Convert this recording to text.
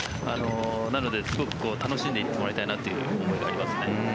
なのですごく楽しんでいってもらいたいなという思いがありますね。